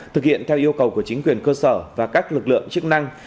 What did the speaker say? thực hiện theo yêu cầu của chính quyền cơ sở và các lực lượng chức năng